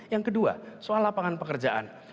yang kedua soal lapangan pekerjaan